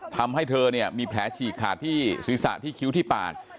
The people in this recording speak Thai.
ทำให้เธอเนี่ยมีแผลฉีกขาดที่ศีรษะที่คิ้วที่ปาก